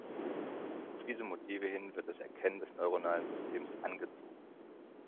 Auf diese Motive hin wird das Erkennen des neuronalen Systems „angezogen“.